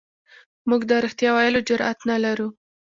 موږ د رښتیا ویلو جرئت نه لرو.